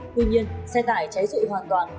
tuy nhiên xe tải cháy dụi hoàn toàn